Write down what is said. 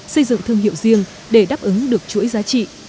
xây dựng thương hiệu riêng để đáp ứng được chuỗi giá trị